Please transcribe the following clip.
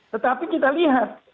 tetapi kita lihat